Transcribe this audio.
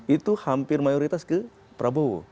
itu hampir mayoritas ke prabowo